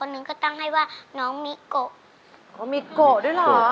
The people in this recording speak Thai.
แล้วน้องใบบัวร้องได้หรือว่าร้องผิดครับ